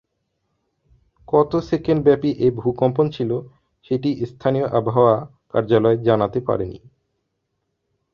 কত সেকেন্ডব্যাপী এ ভূকম্পন ছিল, সেটি স্থানীয় আবহাওয়া কার্যালয় জানাতে পারেনি।